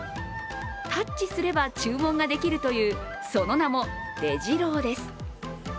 タッチすれば注文ができるという、その名もデジローです。